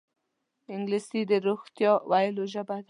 انګلیسي د رښتیا ویلو ژبه ده